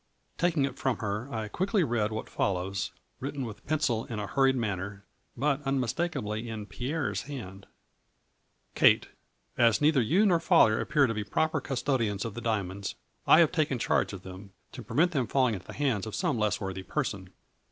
Taking it from her I quickly read what fol lows, written with pencil in a hurried manner, but unmistakably in Pierre's hand :— Kate — As neither you nor father appear to be proper custodians of the diamonds, I have taken charge of them, to prevent them falling into the hands of some less worthy person.